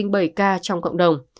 và hai trăm linh bảy ca trong cộng đồng